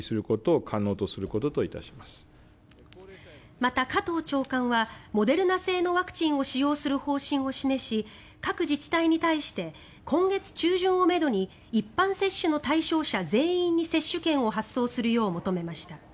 また、加藤長官はモデルナ製のワクチンを使用する方針を示し各自治体に対して今月中旬をめどに一般接種の対象者全員に接種券を発送するよう求めました。